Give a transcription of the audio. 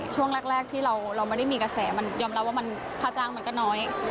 ช่วงแรกที่เราไม่ได้มีกระแสมันยอมรับว่าค่าจ้างมันก็น้อย